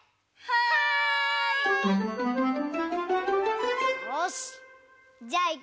はい！